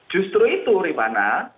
justru itu ribana